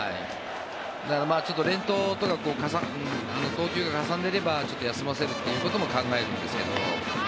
連投、投球がかさんでいれば休ませるということも考えるんですけども。